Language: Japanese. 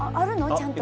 ちゃんと。